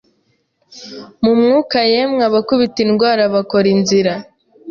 mu mwuka Yemwe abakubita indwara kora inzira